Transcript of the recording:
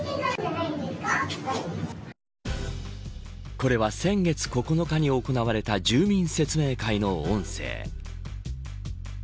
これは、先月９日に行われた住民説明会の音声。